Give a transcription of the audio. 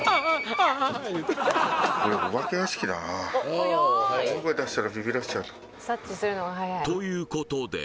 ああ！ということで